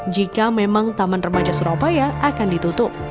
jika memang taman remaja surabaya akan ditutup